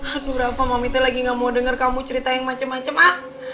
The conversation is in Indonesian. aduh rafa mami tuh lagi gak mau denger kamu cerita yang macem macem ah